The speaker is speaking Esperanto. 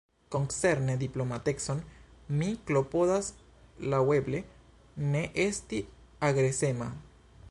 Koncerne diplomatecon, mi klopodas, laŭeble, ne esti agresema.